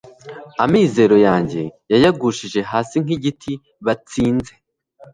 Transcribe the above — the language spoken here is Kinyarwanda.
amizero yanjye yayagushije hasi nk'igiti batsinze